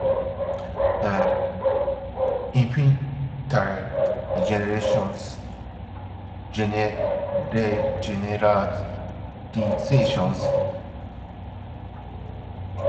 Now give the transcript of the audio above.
Infinitary generalizations of commutative semigroups have sometimes been considered by various authors.